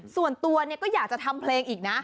ส่วนตัวเนี่ยก็อยากจะทำเพลงอีกนะ